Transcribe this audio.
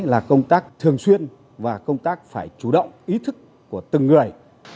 là công tác thường xuyên và công tác phải chủ động ý thức của từng người